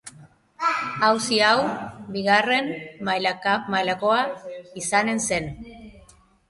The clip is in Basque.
Auzi hau bigarren mailakoa izanen zen.